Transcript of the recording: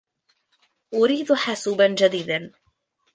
أريد حاسوبا جديدا.